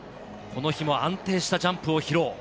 この日も安定したジャンプを披露。